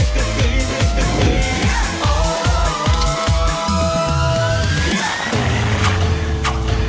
เกลียดรับคำแนะนำนำควรรับคำแนะนำ